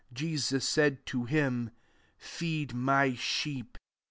Jesus said to him, " Feed my sheep.